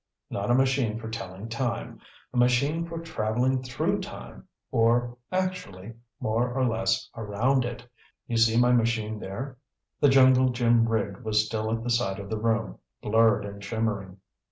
Not a machine for telling time; a machine for traveling through time or, actually, more or less around it. You see my machine there." The jungle gym rig was still at the side of the room, blurred and shimmering.